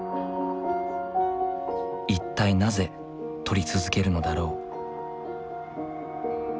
一体なぜ撮り続けるのだろう。